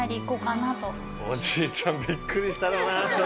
おじいちゃんビックリしたろうな。